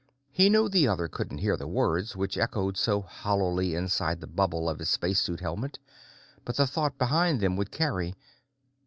He knew the other couldn't hear the words which echoed so hollowly inside the bubble of the spacesuit helmet, but the thought behind them would carry.